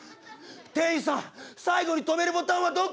店員さん最後に止めるボタンはどこ？